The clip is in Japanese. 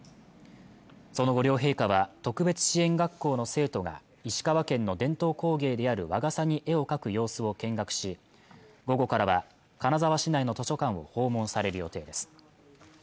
その後、両陛下は特別支援学校の生徒が石川県の伝統工芸である和傘に絵を描く様子を見学し午後からは金沢市内の図書館を訪問される予定です